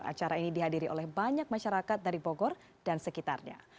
acara ini dihadiri oleh banyak masyarakat dari bogor dan sekitarnya